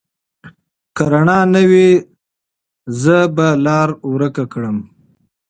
که رڼا نه وي، زه به لاره ورکه کړم.